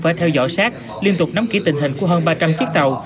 phải theo dõi sát liên tục nắm kỹ tình hình của hơn ba trăm linh chiếc tàu